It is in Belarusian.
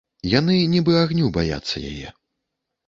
Яны нібы агню баяцца яе.